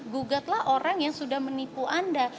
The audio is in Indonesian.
gugatlah orang yang sudah menipu anda